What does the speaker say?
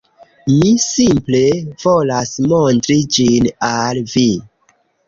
Mi simple volas montri ĝin al vi